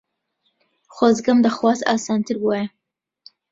خۆزگەم دەخواست ئاسانتر بووایە.